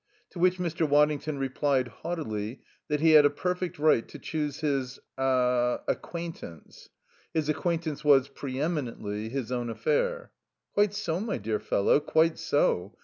To which Mr. Waddington replied, haughtily, that he had a perfect right to choose his er acquaintance. His acquaintance was, pre eminently, his own affair. "Quite so, my dear fellow, quite so.